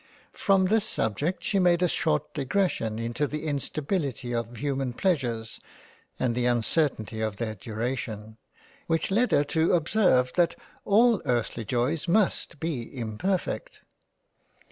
From this subject she made a short digression to the instability of human pleasures and the uncertainty of their duration, which led her to observe that all earthly Joys must be imperfect.